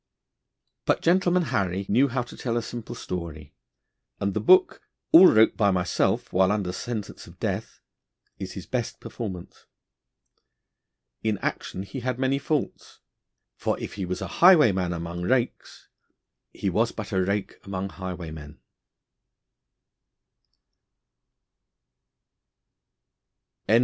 But Gentleman Harry knew how to tell a simple story, and the book, 'all wrote by myself while under sentence of death,' is his best performance. In action he had many faults, for, if he was a highwayman among rakes, he was but a rake among highwaymen.